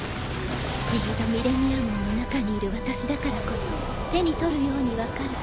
ズィードミレニアモンの中にいる私だからこそ手に取るように分かる。